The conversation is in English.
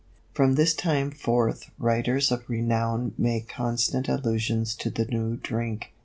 From this time forth writers of renown make constant allusions to the new drink.